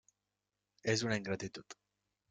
És una ingratitud.